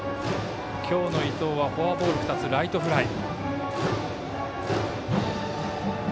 今日の伊藤はフォアボール２つライトフライ。